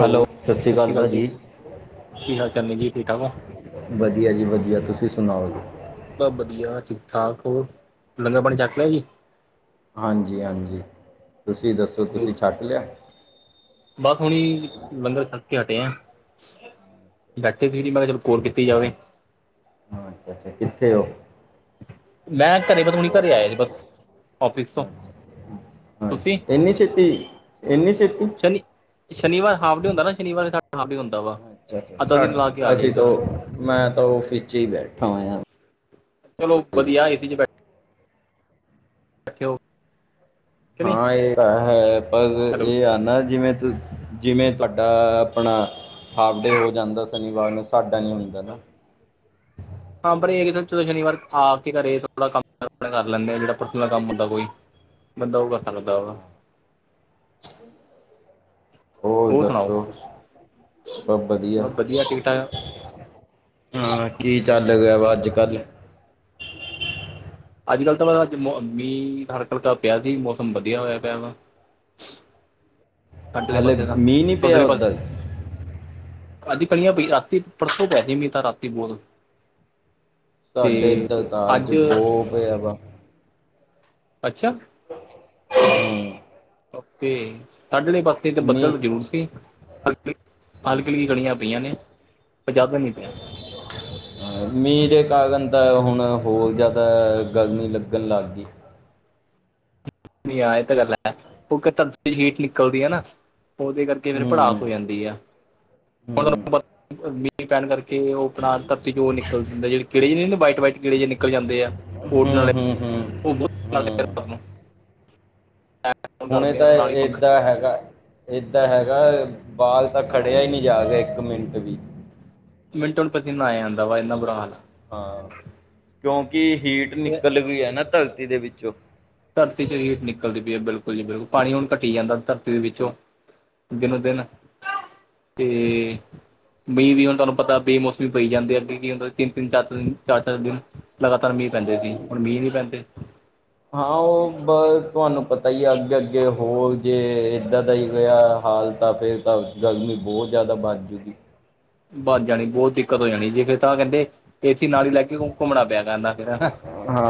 Hello, ਸਸ੍ਰੀ ਸਤਿ ਸ਼੍ਰੀ ਕਾਲ ਅਕਾਲ ਜੀ ਭਾਜੀ। ਕੀ ਹਾਲ ਚਾਲ ਨੇ ਜੀ ਠੀਕ ਠਾਕ ਹੋ ਵਧੀਆ ਜੀ ਵਧੀਆ, ਤੁਸੀਂ ਸੁਣਾਓ ਜੀ? ਸਭ ਵਧੀਆ ਠੀਕ-ਠਾਕ ਹੋਰ ਲੰਗਰ ਪਾਣੀ ਛੱਕ ਲਿਆ ਜੀ? ਹਾਂਜੀ-ਹਾਂਜੀ, ਤੁਸੀਂ ਦੱਸੋ ਜੀ ਤੁਸੀਂ ਛੱਕ ਲਿਆ? ਬਸ ਹੁਣੀ ਲੰਗਰ ਛੱਕ ਕੇ ਹਟੇ ਆ। ਬੈਠੇ ਸੀ ਨੀ ਮੈਂ ਕਿਹਾ ਚਲੋ ਕੋਲ ਕੀਤੀ ਜਾਵੇ। ਹ ਅੱਛਾ-ਅੱਛਾ ਕਿੱਥੇ ਹੋ? ਮੈਂ ਘਰੇ ਬਸ ਹੁਣੀ ਘਰੇ ਆਏ ਜੀ ਬਸ [inaudible] ਔਫਿਸ ਤੋਂ ਹਾਂਜੀ, ਤੁਸੀਂ ਇੰਨੀ ਛੇਤੀ, ਇੰਨੀ ਛੇਤੀ। ਸ਼ਨੀ ਸ਼ਨੀਵਾਰ ਹਾਫ ਡੇ ਹੁੰਦਾ ਨਾ ਸ਼ਨੀਵਾਰ ਸਾ ਹਾਫ ਡੇ ਹੁੰਦਾ ਵਾ। ਅੱਛਾ-ਅੱਛਾ, ਸਾ ਆ ਅਸੀਂ ਜਾਈਦਾ ਤਾਂ ਵਾ ਮੈਂ ਤਾਂ ਔਫਿਸ 'ਚ ਹੀ ਬੈਠਾ ਹੋਇਆ ਹਾਂ। ਚਲੋ ਵਧੀਆ, ਏ ਸੀ 'ਚ ਬੈਠੇ ਬੈਠੇ ਓ ਹਾਂ, ਇਹ ਤਾਂ ਹੈ ਪਰ ਹੈਲੋ ਇਹ ਆ ਨਾ ਜਿਵੇਂ ਜਿਵੇਂ ਤੁਹਾਡਾ ਆਪਣਾ ਹਾਫ ਡੇ ਹੋ ਜਾਂਦਾ ਸ਼ਨੀਵਾਰ ਨੂੰ ਸਾਡਾ ਨੀ ਹੁੰਦਾ ਨਾ। ਹਾਂ, ਪਰ ਇਹ ਸ਼ਨੀਵਾਰ ਆ ਕੇ ਘਰੇ ਥੋੜਾ ਕੰਮ ਕਰ ਲੈਂਦੇ ਆ ਜਿਹੜਾ ਪ੍ਰਸਨਲ ਕੰਮ ਹੁੰਦਾ ਕੋਈ ਬੰਦਾ ਉਹ ਕਰ ਸਕਦਾ ਵਾ। [inaudible] ਹੋਰ ਦੱਸੋ? ਬਸ ਵਧੀਆ, ਠੀਕ-ਠਾਕ। ਹਾਂ, ਕੀ ਚੱਲ ਗਿਆ ਵਾ ਅੱਜ-ਕੱਲ੍ਹ ਅੱਜ-ਕੱਲ੍ਹ ਤਾਂ ਬਸ ਅੱਜ ਮੀਂਹ ਹਲਕਾ-ਹਲਕਾ ਪਿਆ ਸੀ, ਮੌਸਮ ਵਧੀਆ ਹੋਇਆ ਪਿਆ ਵਾ। [inaudible] ਸਾਡੇ ਆਲੇ ਹਲੇ ਪਾਸੇ ਤਾਂ ਮੀਂਹ ਨਹੀਂ ਥੋਡੇ ਪਿਆ ਆਲੇ ਪਾਸੇ। ਉੱਧਰ [inaudible] ਅੱਜ ਕਣੀਆਂ ਪਈ, ਰਾਤੀ ਪਰਸੋਂ ਪਿਆ ਸੀ, ਮੀਂਹ ਤਾਂ ਰਾਤੀ ਬਹੁਤ ਤੇ ਸਾਡੇ ਇੱਧਰ ਤਾਂ ਅੱਜ ਬਹੁ ਪਿਆ ਵਾ। ਅੱਛਾ। ਹਮ। ਓਕੇ, ਸਾਢੇ ਆਲੇ ਪਾਸੇ ਤਾਂ ਮੀਂਹ ਬੱਦਲ ਜ਼ਰੂਰ ਸੀ। ਹਲ ਕਲੀਆਂ ਗਲੀਆਂ ਪਈਆਂ ਨੇ ਪਰ ਜ਼ਿਆਦਾ ਨੀ [inaudible] ਮੀਂਹ ਦੇ ਕਾਰਨ ਤਾਂ ਹੁਣ ਹੋਰ ਜ਼ਿਆਦਾਆ ਗਰਮੀ ਲੱਗਣ ਲੱਗ ਗਈ। ਆ ਇਹ ਤਾਂ ਗੱਲ ਹੈ ਕਿਉਂਕਿ ਧਰਤੀ ਹੀਟ ਨਿਕਲਦੀਆ ਨਾ, ਉਹਦੇ ਕਰਕੇ ਫਿਰ ਭੜਾਸ ਹੋ ਜਾਂਦੀ ਆ। ਹੁਣ ਹਮ। ਤੁਹਾਨੂੰ ਮੀਂਹ ਪੈਣ ਕਰਕੇ ਉਹ ਆਪਣਾ ਧਰਤੀ ਚੌ ਨਿਕਲ ਦੇ ਜਿਹੜੇ ਕੀੜੇ ਨੀ ਹੁੰਦੇ ਵਾਈਟ -ਵਾਈਟ ਜੇ। ਗਿੜੇ ਜਿ ਨਿਕਲ ਜਾਂਦੇ ਆ, ਹੂੰ ਉਹ ਉਡਣ ਵਾਲੇ ਹੂੰ ਹੂੰ [unintelligible] ਹੂੰ ਫੋਨ ਹੁਣੇ ਕਰਦੇ ਆ ਤਾਂ ਨਾਲ ਹੀ ਪੰਖਾ ਏਦਾਂ ਹੈਗਾ। ਏਦਾਂ ਹੈਗਾ ਬਾਲ ਤਾਂ ਖੜਿਆ ਹੀ ਨਹੀਂ ਜਾ ਰਿਹਾ ਇੱਕ ਮਿੰਟ ਵੀ। ਮਿੰਟੋ ਨੂੰ ਪਸੀਨਾ ਆ ਜਾਂਦਾ ਵਾ, ਇੰਨਾ ਬੁਰਾ ਹਾਲ ਆ। ਹਾਂ, ਕਿਉਂਕਿ ਹੀਟ ਤੇ ਨਿਕਲ ਰਹੀਆਂ ਆ ਨਾ ਧਰਤੀ ਦੇ ਵਿੱਚੋਂ। ਧਰਤੀ ਚ ਹੀਟ ਨਿਕਲਦੀ ਪਈ ਆ, ਬਿਲਕੁਲ ਜੀ ਬਿਲਕੁਲ ਪਾਣੀ ਹੁਣ ਘੱਟੀ ਜਾਂਦਾ ਧਰਤੀ ਦੇ ਵਿੱਚੋਂ। ਦਿਨੋ ਦਿਨ [inaudible] ਤੇ। ਮੀਂਹ ਵੀ ਹੁਣ ਤੁਹਾਨੂੰ ਪਤਾ ਬੇ ਮੌਸਮੀ ਪਈ ਜਾਂਦੇ ਆ। ਅੱਗੇ ਕੀ ਹੁੰਦਾ ਤਿੰਨ -ਤਿੰਨ, ਚਾਰ -ਚਾਰ ਦਿਨ ਚਾਰ -ਚਾਰ ਦਿਨ ਲਗਾਤਾਰ ਮੀਂਹ ਪੈਂਦੇ ਸੀ, ਹੁਣ ਮੀਂਹ ਨਹੀਂ ਪੈਂਦੇ। ਹਾਂ ਉਹ ਬਹ ਤੁਹਾਨੂੰ ਪਤਾ ਹੀ ਹੈ, ਅੱਗੇ -ਅੱਗੇ ਹੋਰ ਜੇ ਇੱਦਾਂ ਦਾ ਹੀ ਹੋਇਆ ਹਾਲ। ਤਾਂ ਫਿਰ ਤਾਂ ਗਰਮੀ, ਬਹੁਤ ਜ਼ਿਆਦਾ ਵੱਧ ਜੁੱਗੀ। ਵੱਧ ਜਾਣੀ ਆ ਬਹੁਤ ਦਿੱਕਤ ਹੋ ਜਾਣੀ ਏ ਜੇ ਫਿਰ ਤਾਂ ਕਹਿੰਦੇ ਏਸੀ ਨਾਲ ਹੀ ਲੈ ਕੇ ਘੁੰਮਣਾ ਪਿਆ ਕਰਨਾ ਫੇਰ ਹਨਾ।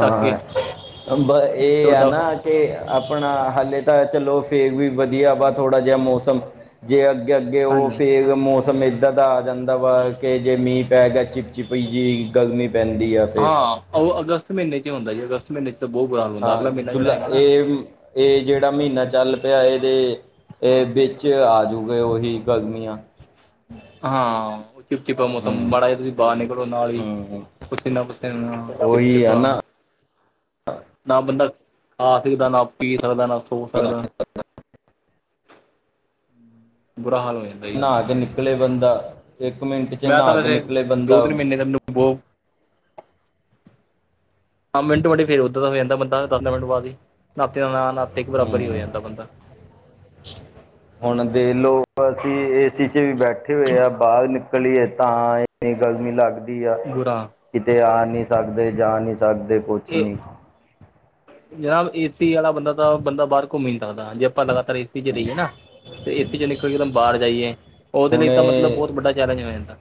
ਚੱਕ ਕੇ ਬਹ ਇਹ ਆ ਤੁਰਦਾ ਨਾ। ਫਿਰ। ਤੇ ਆਪਣਾ ਹਾਲੇ, ਤਾਂ ਚਲੋ ਫੇਰ ਵੀ ਵਧੀਆ ਵਾ ਥੋੜ੍ਹਾ ਜਿਹਾ ਮੌਸਮ। ਜੇ ਅੱਗੇ -ਅੱਗੇ ਉਹ ਹਾਂਜੀ ਫਿਰ ਮੌਸਮ ਇੱਦਾਂ ਦਾ ਆ ਜਾਂਦਾ ਵਾ ਕਿ ਜੇ ਮੀਂਹ ਪੈ ਗਿਆ, ਚਿੱਪ ਚੀਪੀ ਜਿਹੀ ਗਰਮੀ ਪੈਂਦੀ ਆ ਫਿਰ। ਹਾਂ ਉਹ ਅਗਸਤ ਮਹੀਨੇ ਚ ਹੁੰਦਾ ਜੀ, ਅਗਸਤ ਮਹੀਨੇ ਚ। ਤੇ ਬਹੁਤ ਬੁਹਾ ਹਾਲ਼। ਹਾਂ ਜੁਲਾ, ਇਹ ਮ ਇਹ ਜਿਹੜਾ ਮਹੀਨਾ ਚੱਲ ਪਿਆ, ਇਹਦੇ ਇਹ ਵਿੱਚ ਆਜੂਗਾ ਉਹੀ। ਗਰਮੀਆਂ। ਹਾਂ ਉਹ ਚੀਪ -ਚੀਪਾ ਮੌਸਮ, ਹੂੰ ਮਾੜਾ ਜਿਹਾ ਤੁਸੀਂ ਬਾਹਰ ਨਿਕਲੋ ਨਾਲ ਹੀ। ਹੂੰ ਪਸੀਨਾ- ਪਸੀਨਾ, ਚਿੱਪ- ਉਹੀ ਆ ਚਿਪਾ। ਨਾ ਨਾ ਬੰਦਾ ਖਾ ਸਕਦਾ, ਨਾ ਪੀ ਸਕਦਾ ਨਾ। ਸੋ ਸਕਦਾ [inaudible] ਬੁਰਾ ਹਾਲ ਹੋ ਜਾਂਦਾ। ਜੀ। ਨਹਾ ਕੇ ਨਿਕਲੇ ਬੰਦਾ, ਇੱਕ ਮਿੰਟ ਚ ਨਹਾ ਕੇ ਨਿਕਲੇ ਬੰਦਾ। ਬੋ। [inaudible] ਹਾਂ ਮਿੰਟ ਵਡੇ ਫਿਰ ਉੱਧਰ ਦਾ ਹੋ ਜਾਂਦਾ, ਬੰਦਾ ਦਸ ਮਿੰਟ ਬਾਅਦ ਹੀ, ਨਾਤੇ ਦਾ ਨਾ ਨਾਤੇ ਇੱਕ ਬਰਾਬਰ ਹੀ ਹੋ ਹੂੰ ਜਾਂਦਾ ਬੰਦਾ। ਹੁਣ ਦੇ ਲੋਕ ਅਸੀਂ ਏਸੀ ਚ ਵੀ ਬੈਠੇ ਹੋਏ ਆ ਬਾਹਰ ਨਿਕ। ਨਿਕਲੀਏ, ਤਾਂ ਇੰਨੀ ਗਰਮੀ ਲੱਗਦੀ ਆ। ਬੁਰਆਂ। ਕਿਤੇ ਆ ਨਹੀਂ ਸਕਦੇ ਜਾ ਨਹੀਂ ਸਕਦੇ ਕੁਛ ਇਹ ਨਹੀਂ। ਜਨਾਬ ਏਸੀ ਵਾਲਾ ਬੰਦਾ, ਤਾਂ ਬੰਦਾ ਬਾਹਰ ਘੁੰਮੀ ਨੀ ਸਕਦਾ, ਜੇ ਆਪਾਂ ਲਗਾਤਾਰ ਏ। ਏਸੀ ਚ ਰਹੀਏ ਨਾ ਤੇ ਏਸੀ ਚ ਨਿਕਲ ਕੇ ਦਮ ਬਾਹਰ ਜਾਈਏ, ਉਹਦੇ ਹੁਣ ਲਈ ਤਾਂ ਮਤਲਬ ਬਹੁਤ ਵੱਡਾ ਚੈਲੇਂਜ ਹੋ ਜਾਂਦਾ।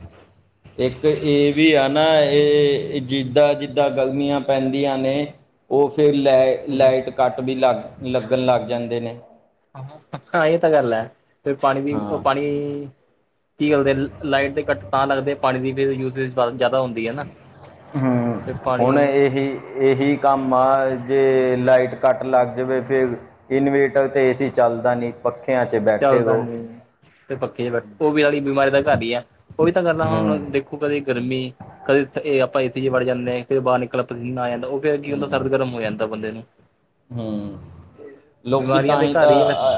ਇੱਕ ਇਹ ਵੀ ਆ ਨਾ ਇਹ ਜਿੱਦਾਂ -ਜਿੱਦਾਂ ਗਰਮੀਆਂ ਪੈਂਦੀਆਂ ਨੇ। ਉਹ ਫਿਰ ਲੈਟ ਜੀ। ਲਾਈਟ ਕੱਟ ਵੀ ਲੱਗ ਲੱਗਣ ਲੱਗ ਜਾਂਦੇ ਨੇ। ਹਾਂ ਇਹ ਤਾਂ ਗੱਲ ਆ, ਫਿਰ ਪਾਣੀ ਦੀ ਉਹ ਹਾਂ ਪਾਣੀ। ਕੀ ਕਰਦੇ ਨੇ ਲਾਈਟ ਦੇ ਕੱਟ ਤਾਂ ਲੱਗਦੇ ਪਾਣੀ ਦੀ ਫਿਰ ਯੂਜੇਜ ਜ਼ਿਆਦਾ ਹੁੰਦੀ ਆ ਨਾ। ਹੂੰਮ ਤੇ ਪਾਣੀ ਹੁਣ ਇਹੇ। ਇਹੀ ਕੰਮ ਆ ਜੇ ਲਾਈਟ ਕੱਟ ਲੱਗ ਜਾਵੇ, ਫਿਰ। ਇਨਵੇਟਰ ਤੇ ਏਸੀ ਚੱਲਦਾ ਨੀ। ਪੱਖਿਆਂ 'ਚ ਬੈ ਚੱਲ ਤਾਂ ਨੀ [inaudible] ਤੇ ਪੱਖੇ ਚ ਬੈਠ ਉਹ ਵੀ ਹੈ ਤਾਂ ਬਿਮਾਰੀ ਦਾ ਘਰ ਹੀ ਆ। ਉਹੀ ਤਾਂ ਗੱਲ਼ ਆ, ਹੂੰ ਹੁਣ ਦੇਖੋ ਕਦੇ। ਗਰਮੀ ਕਦੇ ਤੇ ਇਹ ਆਪਾਂ ਏਸੀ ਚ ਵੜ ਜਾਨੇ ਆ ਕਦੇ ਬਾਹਰ ਨਿਕਲ ਪਸੀਨਾ ਆ ਜਾਂਦਾ। ਉਹ ਫਿਰ ਕੀ ਹੁੰਦਾ, ਸਰਦ ਗਰਮ ਹੋ ਜਾਂਦਾ ਬੰਦੇ ਨੂੰ। ਹੁੰਮ, ਲੋਕੀ ਬਿਮਾਰੀਆਂ ਤਾਂ ਦੇ ਹੀ ਘਰ ਤਾਂ। ਹੈ ਵੈਸੇ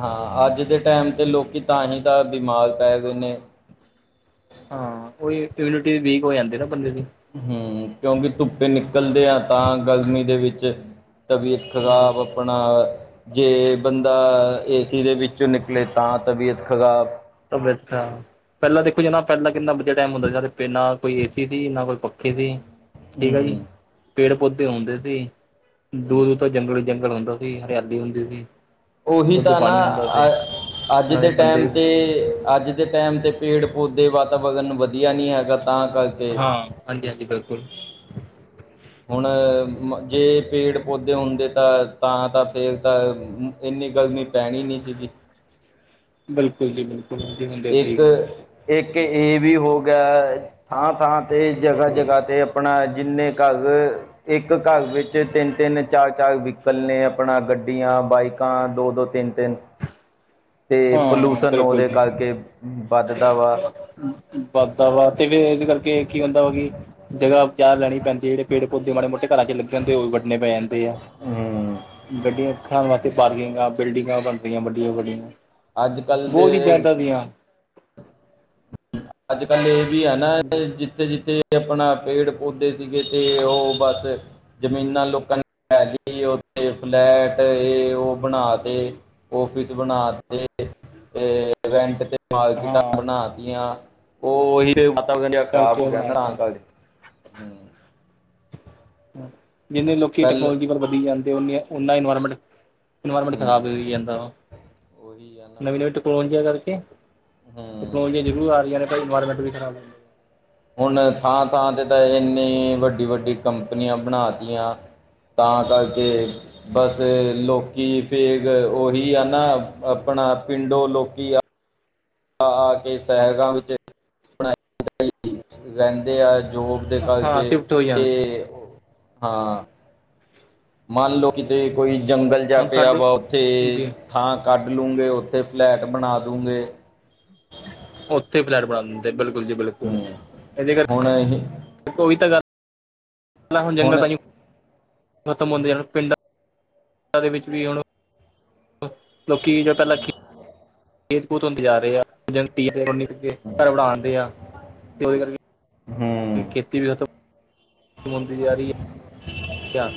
ਹਾਂ, ਅੱਜ ਦੇ ਟਾਈਮ ਤੇ ਲੋਕੀ ਤਾਂ ਹੀ ਤਾਂ ਬਿਮਾਰ ਪੈ ਗਏ ਨੇ। ਹਾਂ, ਉਹੀ ਇਮਿਊਨਿਟੀ ਵੀਕ ਹੋ ਜਾਂਦੀ ਨਾ ਬੰਦੇ ਦੀ। ਹਮ ਕਿਉਕਿ ਧੁੱਪੇ ਨਿਕਲਦੇ ਆ ਤਾਂ ਗਰਮੀ ਦੇ ਵਿੱਚ ਤਬੀਅਤ ਹਾਂ ਖਰਾਬ। ਆਪਣਾ ਜੇ ਬੰਦਾ ਏ ਸੀ ਦੇ ਵਿੱਚੋਂ ਨਿਕਲੇ ਤਾਂ ਤਬੀਅਤ ਖਰਾਬ। ਤਬੀਅਤ ਖਰਾਬ। ਪਹਿਲਾਂ ਦੇਖੋ ਜਾ ਪਹਿਲਾਂ ਕਿੰਨਾ ਵਧੀਆ ਟਾਈਮ ਹੁੰਦਾ ਸੀ। ਨਾ ਕੋਈ ਏ ਸੀ ਸੀ, ਨਾ ਕੋਈ ਪੱਖੇ ਸੀ। ਠੀਕ ਆ ਜੀ, ਹੂੰ ਪੇੜ-ਪੌਦੇ ਹੁੰਦੇ ਸੀ। ਹੂੰ ਦੂਰ-ਦੂਰ ਤੋਂ ਜੰਗਲ ਹੀ ਜੰਗਲ ਹੁੰਦਾ ਸੀ। ਹਰਿਆਲੀ ਹੁੰਦੀ ਸੀ। ਉਹੀ ਸ਼ੁੱਧ ਤਾਂ ਨਾ, ਪਾਣੀ ਹੁੰਦਾ ਸੀ ਅ ਅੱਜ ਨਾਲੇ ਦੇ ਬੰਦੇ ਟਾਈਮ ਤੇ, ਅੱਜ ਦੇ ਟਾਈਮ ਤੇ ਪੇੜ-ਪੌਦੇੇ ਵਾਤਾਵਰਨ ਵਧੀਆ ਨਹੀਂ ਹੈਗਾ ਤਾਂ ਕਰਕੇ। ਹਾਂਜੀ-ਹਾਂਜੀ ਬਿਲਕੁਲ। ਹੁਣ ਜੇ ਪੇੜ-ਪੌਦੇ ਹੁੰਦੇ ਤਾਂ, ਤਾਂ ਤਾਂ ਫੇਰ ਤਾਂ ਇੰਨੀ ਗਰਮੀ ਪੈਣੀ ਨਹੀਂ ਸੀਗੀ। ਬਿਲਕੁਲ ਜੀ ਬਿਲਕਲ। ਇੱਕ, ਇੱਕ ਇਹ ਵੀ ਹੋ ਗਿਆ। ਥਾਂ-ਥਾਂ ਤੇ ਜਗ੍ਹਾ- ਜਗ੍ਹਾ ਤੇ ਆਪਣਾ ਜਿੰਨੇ ਕ- ਇੱਕ ਘਰ ਵਿੱਚ ਤਿੰਨ-ਤਿੰਨ, ਚਾਰ-ਚਾਰ ਵਹੀਕਲ ਨੇ ਆਪਣਾ ਗੱਡੀਆਂ, ਬਾਈਕਾਂ ਦੋ-ਦੋ ਤਿੰਨ-ਤਿੰਨ ਤੇ ਪੋਲੂਸ਼ਨਣ ਉਹਦੇ ਕਰਕੇ। ਵੱਧਦਾ ਵਾ ਵਧ ਵਾ ਤੇ ਵੀ ਕਰਕੇ ਕੀ ਹੁੰਦਾ ਵਾ ਕਿ, ਜਗ੍ਹਾ ਚ ਲੈ ਪੈਂਦੀ ਜਿਹੜੇ ਪੇੜ-ਪੌਦੇ ਮਾੜੇ ਮੋਟੇ ਘਰਾਂ 'ਚ ਲੱਗੇ ਹੁੰਦੇ। ਉਹ ਵੀ ਵੱਡਣੇ ਪੈ ਜਾਣ। ਹੂੰ ਗੱਡੀਆਂ ਖੜਾਣ ਵਾਸਤੇ ਪਾਰਕਿੰਗਾਂ, ਬਿਲਡਿੰਗਾਂ ਬਣ ਰਹੀਆਂ ਵੱਡੀਆਂ- ਵੱਡੀਆਂ। ਅੱਜ ਕੱਲ ਦੇ ਬਹੁਤ ਹੀ ਪਿਆਦਾ ਦੀਆਂ। ਅੱਜ-ਕੱਲ੍ਹ ਇਹ ਵੀ ਏ ਨਾ ਜ- ਜਿੱਥੇ-ਜਿੱਥੇ ਆਪਣਾ ਪੇੜ-ਪੌਦੇ ਸੀਗੇ ਤੇ ਉਹ ਬਸ। ਜ਼ਮੀਨਾਂ ਲੋਕਾਂ ਨੇ ਲੈ ਲਈ ਉਥੇ ਫਲੈਟ ਇਹ ਉਹ ਬਣਾ ਤੇ। ਓਫਿਸ ਬਣਾ ਤੇ, ਤੇ ਰੈਂਟ ਤੇ ਮਾਰਕੀਟਾਂ ਹਾਂ ਬਣਾਤੀਆ। ਉਹੀ ਮਤਾ ਦਾ ਖਰਾਬ ਹੋ ਸਟਕਚਰ ਗਿਆ ਬਣਾ ਨਰਾਮ ਕੇ ਕਰਕੇ। ਹੂੰ ਜਿੰਨੇ ਲੋਕੀ ਪਹਿਲ ਟੈਕਨੋਲੋਜੀ ਪਰ ਵਧੀ ਜਾਂਦੇ। ਉਨ੍ਹਾਂ ਇਨਵਾਇਰਮੈਂਟ ਇਨਵਾਇਰਮੈਂਟ ਖਰਾਬ ਹੂੰ ਹੋਈ ਜਾਂਦਾ ਵਾ, ਉਹੀ ਆ ਨਾ ਨਵੀਂ-ਨਵੀਂ ਟੈਕਨੋਲੋਜੀ ਦਾ ਕਰਕੇ। ਹੂੰ ਟੈਕਨੋਲੋਜੀਆ ਜ਼ਰੂਰ ਆ ਰਹੀਆਂ ਨੇ ਭਾਈ ਇਨਵਾਇਰਮੈਂਟ ਵੀ ਖਰਾਬ। ਹੁਣ ਥਾਂ-ਥਾਂ ਤੇ ਤਾਂ ਇੰਨੀ ਵੱਡੀ-ਵੱਡੀ ਕੰਪਨੀਆਂ ਬਣਾਤੀਆਂ। ਤਾਂ ਕਰਕੇ, ਬਸ ਲੋਕ- ਕੀ ਫੇਗ ਉਹੀ ਆ ਨਾ ਆਪਣਾ ਪਿੰਡੋ ਲੋਕੀ ਆ। ਆ-ਆ ਕੇ ਸ਼ਹਿਰਾਂ ਵਿੱਚ ਰਹਿੰਦੇ ਆ। ਜੋਬ ਦੇ ਹਾਂ ਕਰਕੇ ਸ਼ਿਫਟ ਹੋਈ ਤੇ ਜਾਣ ਹਾਂ। ਮੰਨ ਲਓ ਕਿਤੇ ਕੋਈ ਜੰਗਲ ਜਾ ਹੁਣ ਪਿਆ ਸਾਡੇ ਵਾ ਉੱਥੇ ਜੀ ਥਾਂ ਕੱਢਲੋਗੇ ਉੱਥੇ ਫਲੈਟ ਬਣਾ ਦੂਗੇ। ਉੱਥੇ ਫਲੈਟ ਬਣਾ ਦਿੰਦੇ ਬਿਲਕੁਲ ਜੀ ਬਿਲਕੁਲ। ਹੂੰ ਇਹਦੇ ਹੁਣ ਇਹੇ। ਓਹੀ ਤਾਂ ਗੱਲ, ਹੁਣ ਜੰਗਲ ਪਾਣੀ, ਤਾਂ ਖਤਮ ਹੁੰਦੇ ਜਾਂਦੇ ਪਿੰਡਾ ਦੇ ਵਿੱਚ ਵੀ ਹੁਣ ਲੋਕੀ ਜੋ ਪਹਿਲਾਂ ਖੇਤ-ਖੂਤ ਹੁੰਦੇ ਜਾ ਰਹੇ ਆ। ਜਗ ਕੀ ਕੇ ਘਰ ਬਣਾਦੇ ਆ ਤੇ ਉਹਦੇ ਕਰਕੇ। ਹੂੰ ਖੇਤੀ ਵੀ ਏ ਖਤਮ‌ ਹੁੰਦੀ ਜਾ ਰਹੀ ਏ।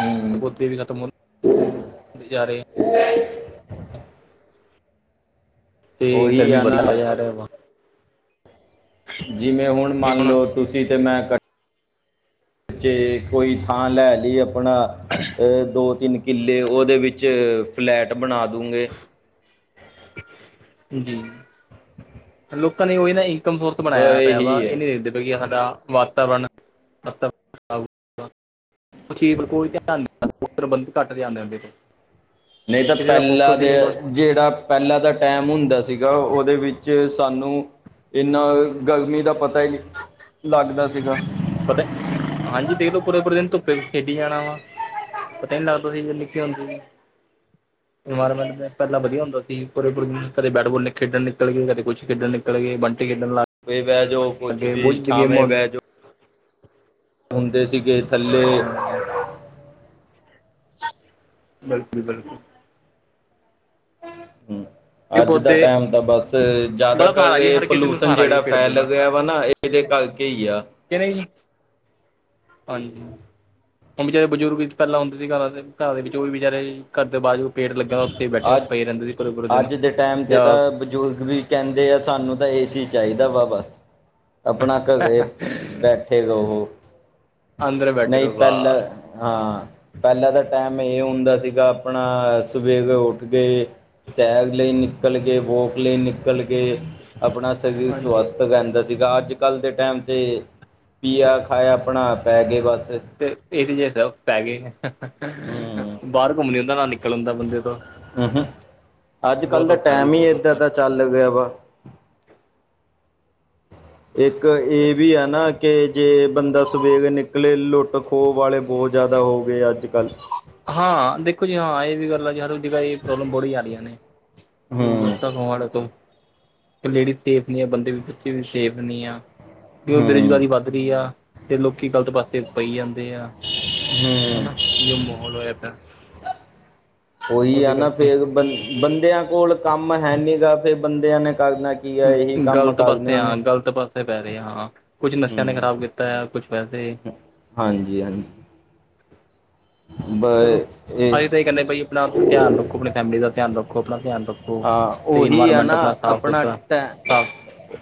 ਹੂੰ ਪੌਦੇ ਵੀ ਖਤਮ ਹੁੰਦੇ ਜਾ ਰਹੇ ਆ। ਤੇ ਉਹੀ ਗਰਮੀ ਆ [unintelligible] ਨਾ ਰਿਹਾ ਵਾ। ਜਿਵੇਂ ਹੁਣ ਮੰਨ ਲਓ ਤੁਸੀ ਤੇ ਮੈਂ ਕ ਜੇ ਕੋਈ ਥਾਂ ਲੈ ਲਈ ਆਪਣਾ। [inaudible] ਦੋ-ਤਿੰਨ ਕਿੱਲੇ। ਉਹਦੇ ਵਿੱਚ ਫਲੈਟ ਬਣਾ ਦੂਗੇ। ਜੀ। ਲੋਕਾਂ ਨੇ ਉਹੀ ਨਾ ਇਨਕਮ ਸੋਰਸ ਬ ਬਣਾਇਆ ਪਿਆ ਵਾ। ਇਹੀ ਹੈ ਇਹ ਨਹੀ ਦੇਖਦੇ ਪਏ ਕਿ ਸਾਡਾ ਵਾ ਲ [unintelligible] ਬੰ ਘੱਟ ਆਉਦੇਦੇ [unintelligible] ਨਹੀਂ ਤਾਂ ਪਹਿਲਾਂ ਦੇ ਜਿਹੜਾ ਪਹਿਲਾਂ ਦਾ ਟਾਈਮ ਹੁੰਦਾ ਸੀਗਾ। ਉਹਦੇ ਵਿੱਚ ਸਾਨੂੰ ਇੰਨਾ ਗਰਮੀ ਦਾ ਪਤਾ ਨੀ ਲੱਗਦਾ ਸੀਗਾ। ਪਤਾ ਹਾਂਜੀ। ਦੇਖਲੋ ਪੂਰੇ-ਪੂਰੇ ਦਿਨ ਧੁੱਪੇ ਖੇਡੀ ਜਾਣਾ ਵਾ। ਪਤਾ ਨੀ ਲੱਗਦਾ ਸੀ, ਜਦੋਂ ਨਿੱਕੇ ਹੁੰਦੇ ਸੀ। ਹ [inaudible] ਇਨਵਾਇਰਮੈਂਟ ਮ ਪਹਿਲਾਂ ਵਧੀਆ ਹੁੰਦਾ ਸੀ। ਪੂਰੇ-ਪੂਰੇ ਕਦੇ ਬੈਟ-ਬੋਲ ਖੇਡਣ ਨਿਕਲ ਗੇ ਕਦੇ ਕੁਛ ਖੇਡਣ ਨਿਕਲ ਗੇ ਬੰਟੇ ਖੇਡਣ ਲ ਧੁੱਪੇ ਬਹਿ ਜੋ ਕੁਛ ਵੀ ਛਾਵੇ ਹੁੰਦੀਆਂ ਬਹਿ ਜੋ। ਹੁੰਦੇ ਸੀਗੇ ਥੱਲੇ। ਬਿਲਕੁਲ-ਬਿਲਕੁਲ। ਹਮ। ਇਹ ਅੱਜ ਦਾ ਪੌਦੇ ਟਾਈਮ ਤਾਂ, ਬਸ ਜਿਆਦਾ ਬੜਾ ਸਹਾਰਾ ਜੀ ਕਰਕੇ ਹਰ ਕਿਸੇ ਨੂੰ ਪੋਲੂਸ਼ਨਣ ਸਹਾਰਾ ਜੀ ਜਿਹੜਾ ਪੇੜ ਫੈਲ ਦੇਣਾ ਗਿਆ। ਹਨਾ। ਇਹਦੇ ਕਰਕੇ ਹੀ ਆ। ਕਿ ਨਹੀਂ ਜੀ? ਹਾਂਜੀ, ਹੁਣ ਵਿਚਾਰੇ ਬਜ਼ੁਰਗ ਪਹਿਲਾਂ ਹੁੰਦੇ ਸੀ। ਘਰਾਂ ਤੇ ਘਰਾਂ ਦੇ ਵਿੱਚ ਉਹ ਵੀ ਬਚਾਰੇ ਘਰਦੇ ਬਾਅਦ ਜੋਂ ਪੇਟ ਲੱਗਿਆ। ਉੱਥੇ ਹੀ ਬੈਠੇ ਅੱਜ ਪਏ ਰਹਿੰਦੇ ਸੀ ਪੁਰੇ-ਪੁਰੇ ਦਿਨ ਅੱਜ ਦੇ ਟਾਈਮ ਤੇ ਜਾਂ ਤਾਂ ਬਜ਼ੁਰਗ ਵੀ ਕਹਿੰਦੇ ਆ। ਸਾਨੂੰ ਤਾਂ ਏ ਸੀ ਚਾਹੀਦਾ ਵਾ ਬਸ। ਆਪਣਾ ਘ ਬੈਠੇ ਰਹੋ। ਅੰਦਰ ਬੈਠੇ ਨਹੀਂ ਰਹੋ ਪਹਿਲਾਂ ਬਾਹਰ ਹਾਂ। ਪਹਿਲਾਂ ਤਾਂ ਟਾਈਮ ਇਹ ਹੁੰਦਾ ਸੀਗਾ ਆਪਣਾ ਸਵੇਰੇ ਉੱਠ ਦੇ। ਸੈਰ ਲਈ ਨਿਕਲਕੇ, ਵੋਕ ਲਈ ਨਿਕਲ ਕੇ ਆਪਣਾ ਸਰੀਰ ਹਾਂਜੀ ਸਵਸਥ ਰਹਿੰਦਾ ਸੀਗਾ। ਅੱਜ-ਕੱਲ੍ਹ ਦੇ ਟਾਈਮ ਤੇ ਪੀਆ, ਖਾਇਆ ਆਪਣਾ। ਪੈ ਗਏ ਬਸ। ਤੇ ਏ ਸੀ 'ਚ' ਸਭ ਪੈ ਗਏ। ਹੂੰ ਬਾਹਰ ਘੁੰਮਣ ਨੀ ਹੁੰਦਾ ਨਾ ਨਿਕਲ ਹੁੰਦਾ ਬੰਦੇ ਤੋਂ। ਹਮ, ਅੱਜ-ਕੱਲ੍ਹ ਬਹੁਤ ਦਾ ਔਖਾ ਜੀ ਟੈਮ ਹੀ ਬਹੁਤ ਏਦਾਂ ਔਖਾ ਦਾ ਚੱਲ ਗਿਆ ਵਾ। ਇੱਕ ਇਹ ਵੀ ਆ ਨਾ ਕਿ ਜੇ ਬੰਦਾ ਸਵੇਰੇ ਨਿਕਲੇ ਲੁੱਟ- ਖੋਹ ਵਾਲੇ ਬਹੁਤ ਜ਼ਿਆਦਾ ਹੋਗੇ, ਅੱਜ-ਕੱਲ੍ਹ। ਹਾਂ ਦੇਖੋ ਜੀ ਹਾਂ। ਇਹ ਵੀ ਗੱਲ ਆ ਜੀ ਹਰ ਜਗ੍ਹਾ ਇਹ ਪ੍ਰੋਬਲਮ ਬੜੀ ਆ ਰਹੀਆਂ ਨੇ। ਹੂੰ ਲਟਤਾ ਖਵਾੜੇ ਤੋਂ [unintelligible] ਲੇਡੀਜ਼ ਸੇਫ ਨਹੀ ਆ, ਬੰਦੇ ਵੀ, ਬੱਚੇ ਸੇਫ ਨਹੀ ਆ। ਕਿ ਵੱਧ ਹੂੰ ਰਹੀ ਆ ਤੇ ਲੋਕੀ ਗਲਤ ਪਾਸੇ ਪਈ ਜਾਂਦੇ ਆ ਹੂੰ ਹਨਾ। ਜੋ ਮਾ ਹੋਲ ਹੋਇਆ ਪਿਆ। ਉਹੀ ਆ ਉਹਦੇ ਨਾ ਕਰਕੇ ਫਿਰ ਬੰਦਿਆਂ ਕੋਲ ਕੰਮ ਹੈਨੀ ਗਾ। ਫੇਰ ਬੰਦਿਆਂ ਨੇ ਕਰਨਾ ਕੀ ਆ ਇਹੀ ਕੰਮ ਗਲਤ ਪਾਸੇ ਕਰਨੇ ਹਾਂ ਨੇ ਗਲਤ ਪਾਸੇ। ਪੈ ਰਹੇ ਆ ਹਾਂ। ਕੁਛ ਨਸ਼ਿਆਂ ਨੇ ਹੂੰ ਖਰਾਬ ਕੀਤਾ ਆ, ਕੁਛ ਵੈਸੇ। ਹਾਂਜੀ- ਹਾਂਜੀ। ਬ ਚਲੋ, ਅਸੀ ਤਾਂ ਇਹ ਕਹਿੰਦੇ ਬਾਈ ਆਪਣਾ ਧਿਆਨ ਰੱਖੋ। ਆਪਣੀ ਫੈਮਿਲੀ ਦਾ ਧਿਆਨ ਰੱਖੋ, ਆਪਣਾ ਧਿਆਨ ਰੱਖੋ। ਹਾਂ, ਤੇ ਹੋਈ ਆ ਇਨਵਾਇਰਮੈਂਟ ਨਾ ਸਾਫ਼ ਆਪਣਾ ਸੁਥਰਾ ਸਾਫ਼ ਟਾਈਮ।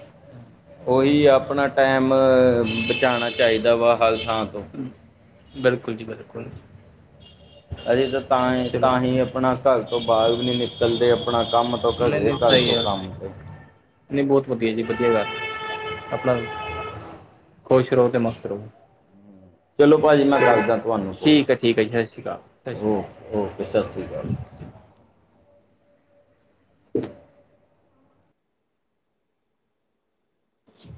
ਉਹੀ ਆਪਣਾ ਟਾਈਮ ਬਚਾਣਾ ਚਾਹੀਦਾ ਵਾ, ਹਰ ਥਾਂ ਤੋਂ। ਬਿਲਕੁਲ ਜੀ, ਬਿਲਕੁਲ। ਸੀ ਤਾਂ ਤਾਂਹੀ, ਚਲੋ ਤਾਂ ਹੀ ਆਪਣਾ ਘਰ ਤੋ ਬਾਹਰ ਵੀ ਨੀ ਨਿਕਲਦੇ, ਆਪਣਾ ਕੰਮ। ਕੰਮ ਤੋ ਘਰੇ, ਘਰ ਤੋਂ ਕੰਮ ਤੇ। ਨਹੀ ਬਹੁਤ ਵਧੀਆ ਜੀ, ਵਧੀਆ ਗੱਲ ਆ ਆਪਣਾ। ਖੁਸ਼ ਰਹੋ, ਤੇ ਮਸਤ ਰਹੋ। ਚਲੋ ਭਾਜੀ ਮੈਂ ਚਲੋ, ਕਰਦਾ ਤੁਹਾਨੂੰ ਫੋਨ ਠੀਕ -ਠੀਕ ਏ ਜੀ, ਸ਼ਸ਼ੀ ਕਾਲ, ਸ਼ਸ਼ੀ ਓ ਓਕੇ ਸਤਿ ਸ਼੍ਰੀ ਅਕਾਲ। [inaudible]